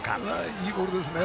いいボールですね。